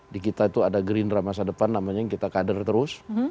di kita itu ada gerindra masa depan namanya yang kita kader terus